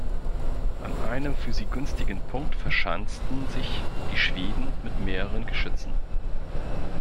An einem für sie günstigen Punkt verschanzten sich die Schweden mit mehreren Geschützen.